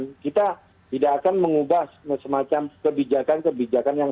kita tidak akan mengubah semacam kebijakan kebijakan yang